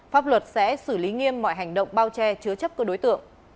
pháp luật sẽ xử lý nghiêm mọi hành động bao che chứa chấp cơ đối tượng